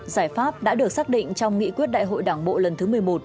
giải pháp đã được xác định trong nghị quyết đại hội đảng bộ lần thứ một mươi một